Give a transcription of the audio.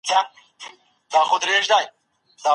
ایا هغه ښځه به کله د کباب خوړلو توان پیدا کړي؟